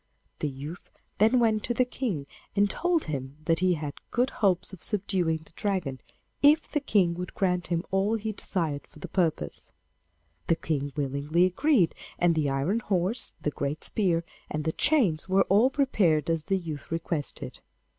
The youth then went to the King and told him that he had good hopes of subduing the Dragon, if the King would grant him all he desired for the purpose. The King willingly agreed, and the iron horse, the great spear, and the chains were all prepared as the youth requested.